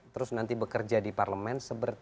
terus nanti bekerja di parlemen